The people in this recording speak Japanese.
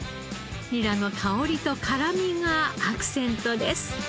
ニラの香りと辛みがアクセントです。